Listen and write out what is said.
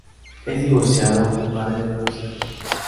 Es divorciado y padre de dos hijos.